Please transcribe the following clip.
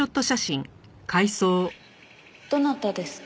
どなたですか？